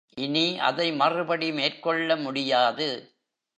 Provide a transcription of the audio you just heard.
இனி அதை மறுபடி மேற்கொள்ள முடியாது.